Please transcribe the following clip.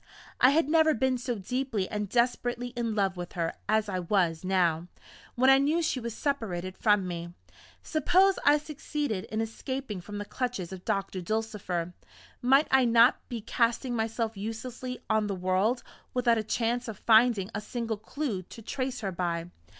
I had never been so deeply and desperately in love with her as I was now, when I knew she was separated from me. Suppose I succeeded in escaping from the clutches of Doctor Dulcifer might I not be casting myself uselessly on the world, without a chance of finding a single clew to trace her by?